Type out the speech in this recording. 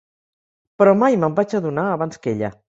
Però mai me'n vaig adonar abans que ella.